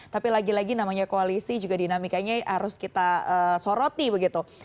tapi lagi lagi namanya koalisi juga dinamikanya harus kita soroti begitu